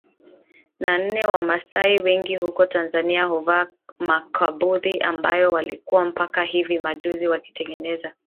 na nne Wamasai wengi huko Tanzania huvaa makubadhi ambayo walikuwa mpaka hivi majuzi wakizitengeneza